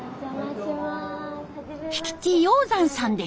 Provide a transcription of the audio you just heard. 引地容山さんです。